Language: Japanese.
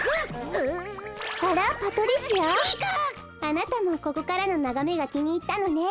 あなたもここからのながめがきにいったのね。